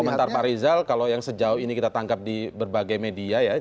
komentar pak rizal kalau yang sejauh ini kita tangkap di berbagai media ya